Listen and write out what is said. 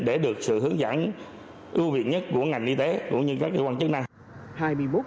để được sự hướng dẫn ưu việt nhất của ngành y tế cũng như các cơ quan chức năng